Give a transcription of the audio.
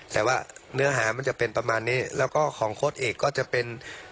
แต่ว่าเนื้อหามันจะเป็นประมาณนี้แล้วก็ของโค้ดเอกก็จะเป็น